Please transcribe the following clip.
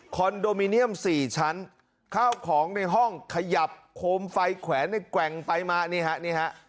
นโดมิเนียมสี่ชั้นข้าวของในห้องขยับโคมไฟแขวนในแกว่งไปมานี่ฮะนี่ฮะ